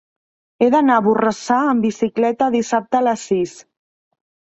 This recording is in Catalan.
He d'anar a Borrassà amb bicicleta dissabte a les sis.